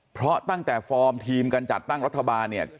เพราะตั้งแต่ฟอร์มทีมกันจัดตั้งรัฐบาลเนี่ย